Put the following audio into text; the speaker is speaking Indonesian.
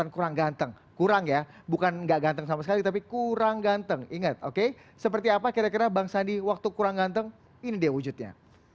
kurang ganteng ingat oke seperti apa kira kira bang sandi waktu kurang ganteng ini dia wujudnya